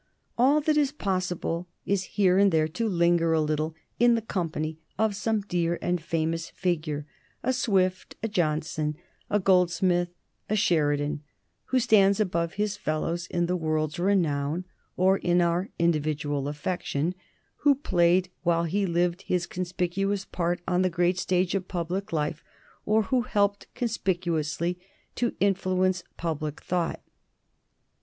All that is possible is here and there to linger a little in the company of some dear and famous figure a Swift, a Johnson, a Goldsmith, a Sheridan who stands above his fellows in the world's renown or in our individual affection, who played while he lived his conspicuous part on the great stage of public life, or who helped conspicuously to influence public thought.